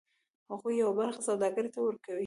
هغوی یوه برخه سوداګر ته ورکوي